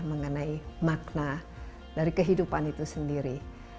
mengenai makna dari kehidupan itu sendiri